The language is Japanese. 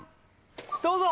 どうぞ！